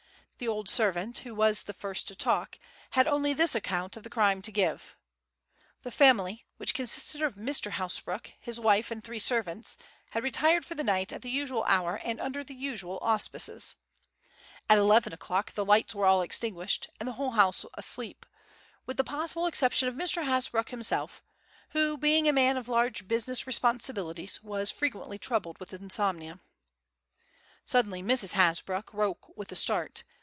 The old servant, who was the first to talk, had only this account of the crime to give: The family, which consisted of Mr. Hasbrouck, his wife, and three servants, had retired for the night at the usual hour and under the usual auspices. At eleven o'clock the lights were all extinguished, and the whole household asleep, with the possible exception of Mr. Hasbrouck himself, who, being a man of large business responsibilities, was frequently troubled with insomnia. Suddenly Mrs. Hasbrouck woke with a start.